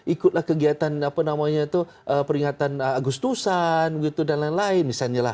ikutlah kegiatan peringatan agustusan dan lain lain